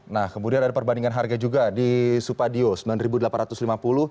nah kemudian ada perbandingan harga juga di supadio rp sembilan delapan ratus lima puluh